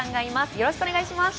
よろしくお願いします。